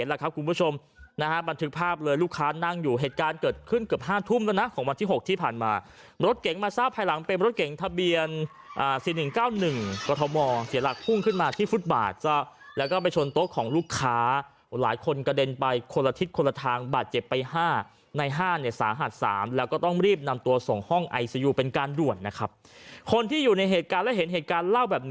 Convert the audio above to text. เห็นแล้วครับคุณผู้ชมนะครับบันทึกภาพเลยลูกค้านั่งอยู่เหตุการณ์เกิดขึ้นเกือบ๕ทุ่มแล้วนะของวันที่๖ที่ผ่านมารถเก่งมาซ่าไปหลังเป็นรถเก่งทะเบียน๔๑๙๑กระทะมองเสียหลักพุ่งขึ้นมาที่ฟุตบาทแล้วก็ไปชนโต๊ะของลูกค้าหลายคนกระเด็นไปคนละทิศคนละทางบาดเจ็บไป๕ใน๕สาหัส๓แล้วก็ต้องร